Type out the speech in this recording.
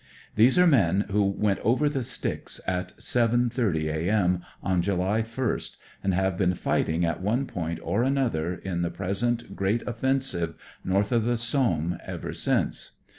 These are men who " went over the sticks " at 7.80 a.m. on July 1st, and have been fighting at one point or another in the present great offensive north of the Somme ever since.